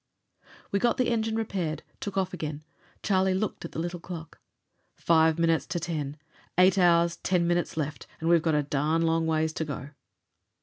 We got the engine repaired, took off again. Charlie looked at the little clock. "Five minutes to ten. Eight hours and ten minutes left, and we've got a darn long ways to go."